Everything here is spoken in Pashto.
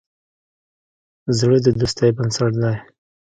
زړه د دوستی بنسټ دی.